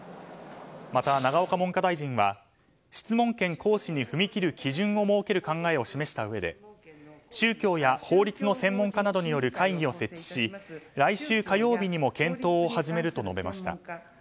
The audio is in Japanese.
また、永岡文科大臣は質問権行使に踏み切る基準を設ける考えを示したうえで宗教や法律の専門家などによる会議を設置し来週火曜日にも検討を始めると述べました。